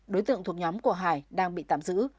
đối tượng thuộc nhóm của hải đang bị tạm giữ